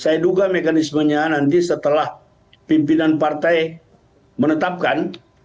saya duga mekanismenya nanti setelah pimpinan partai menetapkan